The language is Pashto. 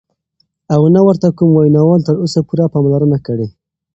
او نه ورته کوم وینا وال تر اوسه پوره پاملرنه کړې،